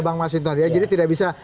bang mas hinton ya jadi tidak bisa